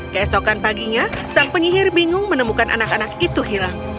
keesokan paginya sang penyihir bingung menemukan anak anak itu hilang